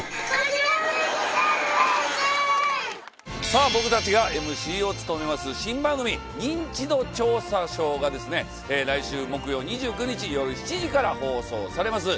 さあ僕たちがＭＣを務めます新番組『ニンチド調査ショー』がですね来週木曜２９日よる７時から放送されます。